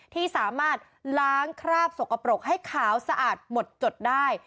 ที่สามารถล้างคราบสกปรกให้ขาวสะอาดหมดจดได้